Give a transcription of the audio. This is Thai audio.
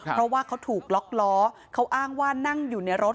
เพราะว่าเขาถูกล็อกล้อเขาอ้างว่านั่งอยู่ในรถ